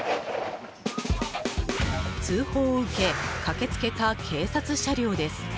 通報を受け駆けつけた警察車両です。